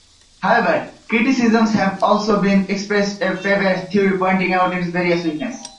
However, criticisms have also been expressed of Faivre's theory, pointing out its various weaknesses.